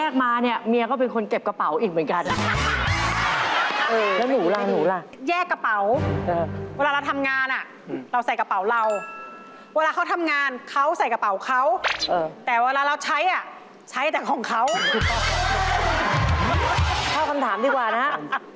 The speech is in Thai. กล่อยยืนไปเองเลยจ้ะโอ๊ยรักมาก